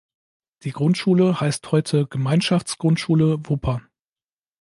Die Grundschule heißt heute "Gemeinschaftsgrundschule Wupper".